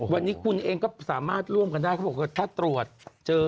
วันนี้คุณเองก็สามารถร่วมกันได้เขาบอกว่าถ้าตรวจเจอ